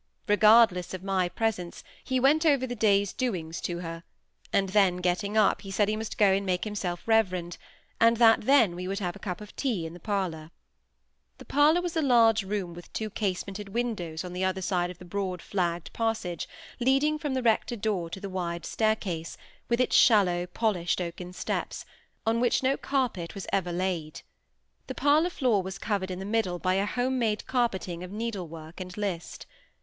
Regardless of my presence, he went over the day's doings to her; and then, getting up, he said he must go and make himself "reverend", and that then we would have a cup of tea in the parlour. The parlour was a large room with two casemented windows on the other side of the broad flagged passage leading from the rector door to the wide staircase, with its shallow, polished oaken steps, on which no carpet was ever laid. The parlour floor was covered in the middle by a home made carpeting of needlework and list.